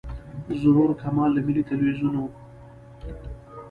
ظهور کمال له ملي تلویزیون و.